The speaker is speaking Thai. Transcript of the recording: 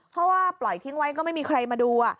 เพราะว่าปล่อยทิ้งไว้ก็ไม่มีใครมาดู